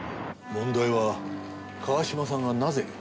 問題は川島さんがなぜ寝台特急